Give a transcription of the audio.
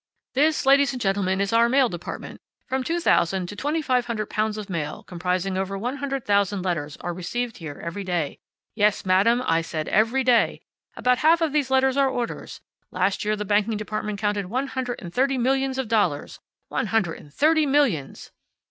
"This, ladies and gentlemen, is our mail department. From two thousand to twenty five hundred pounds of mail, comprising over one hundred thousand letters, are received here every day. Yes, madam, I said every day. About half of these letters are orders. Last year the banking department counted one hundred and thirty millions of dollars. One hundred and thirty millions!"